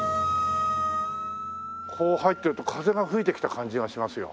こう入ってると風が吹いてきた感じがしますよ。